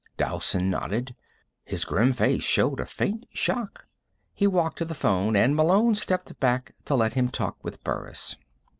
Dowson nodded. His grim face showed a faint shock. He walked to the phone, and Malone stepped back to let him talk with Burris.